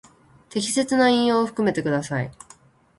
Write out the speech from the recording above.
適切な引用を含めてください。